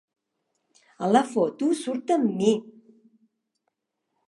A la foto surt amb mi!